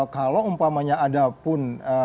kalau umpamanya ada pun